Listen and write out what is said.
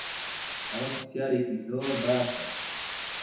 ئەوە پرسیارێکی زۆر باشە.